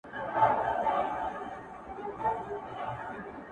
• لا تر څو به دا سړې دا اوږدې شپې وي,